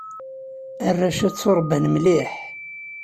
Arrac-a ttuṛebban mliḥ.